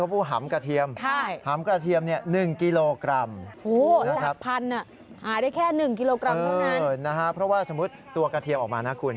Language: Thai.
เพราะว่าสมมุติตัวกระเทียมออกมานะคุณ